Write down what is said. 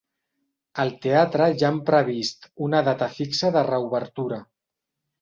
Al teatre ja han previst una data fixa de reobertura.